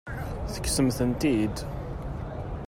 Tekksemt-tent-id?